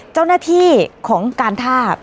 เจ้าหน้าที่ของการท่า